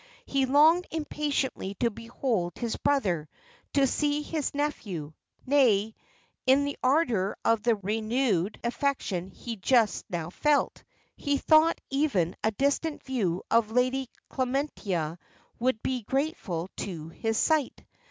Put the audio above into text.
He longed impatiently to behold his brother; to see his nephew; nay, in the ardour of the renewed affection he just now felt, he thought even a distant view of Lady Clementina would be grateful to his sight!